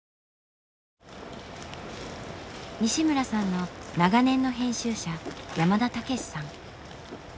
西村さんの長年の編集者山田剛史さん。